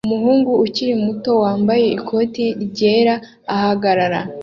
Umuhungu ukiri muto wambaye ikoti ryera ahagarara